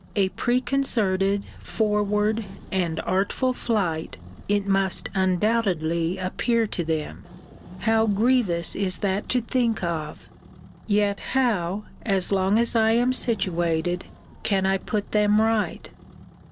A preconcerted, forward, and artful flight, it must undoubtedly appear to them. How grievous is that to think of! yet how, as long as I am situated, can I put them right?